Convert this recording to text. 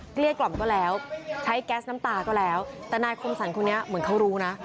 เกี้ยกล่อมก็แล้วใช้แก๊สน้ำตาก็แล้วแต่นายคมสรรคนนี้เหมือนเขารู้นะ